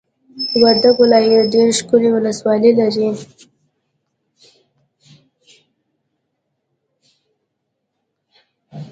وردګ ولایت ډېرې ښکلې ولسوالۍ لري!